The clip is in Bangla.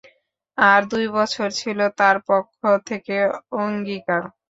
আর দুই বছর ছিল তার পক্ষ থেকে অঙ্গীকার।